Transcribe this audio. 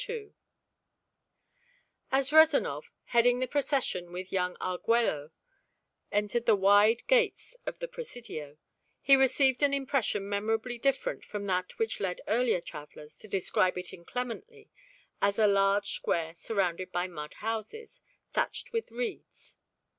II As Rezanov, heading the procession with young Arguello, entered the wide gates of the Presidio, he received an impression memorably different from that which led earlier travelers to describe it inclemently as a large square surrounded by mud houses, thatched with reeds.